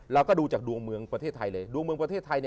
เราก็ดูจากดวงเมืองประเทศไทยเลย